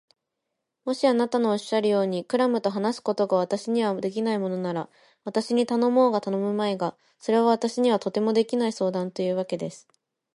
もしあなたのおっしゃるように、クラムと話すことが私にはできないものなら、私に頼もうが頼むまいが、それは私にはとてもできない相談というわけです。